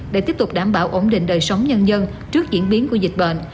để tiếp tục đảm bảo ổn định đời sống nhân dân trước diễn biến của dịch bệnh